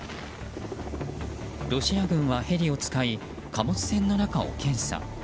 ロシア軍はヘリを使い貨物船の中を検査。